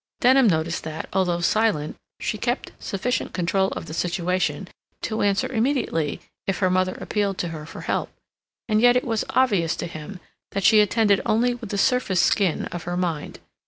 Denham noticed that, although silent, she kept sufficient control of the situation to answer immediately her mother appealed to her for help, and yet it was obvious to him that she attended only with the surface skin of her mind.